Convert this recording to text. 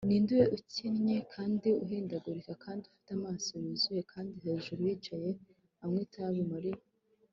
ninde ukennye kandi uhindagurika kandi ufite amaso yuzuye kandi hejuru yicaye anywa itabi muri